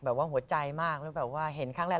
แบบว่าหัวใจมากแบบว่าเห็นครั้งแรก